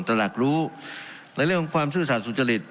ตระหนักรู้ในเรื่องของความซื่อสัตว์สุจริต